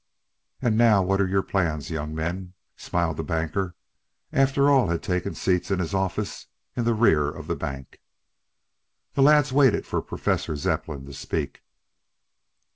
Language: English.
"And now what are your plans, young men?" smiled the hanker, after all had taken seats in his office in the rear of the bank. The lads waited for Professor Zepplin to speak.